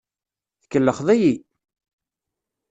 Tkellxeḍ-iyi!